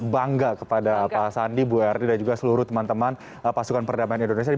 bangga kepada pak sandi bu erdi dan juga seluruh teman teman pasukan perdamaian indonesia